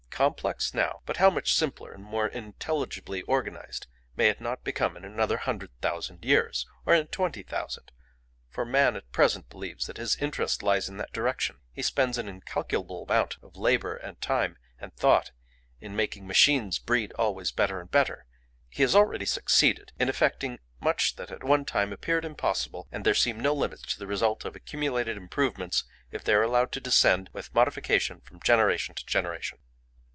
"Complex now, but how much simpler and more intelligibly organised may it not become in another hundred thousand years? or in twenty thousand? For man at present believes that his interest lies in that direction; he spends an incalculable amount of labour and time and thought in making machines breed always better and better; he has already succeeded in effecting much that at one time appeared impossible, and there seem no limits to the results of accumulated improvements if they are allowed to descend with modification from generation to generation.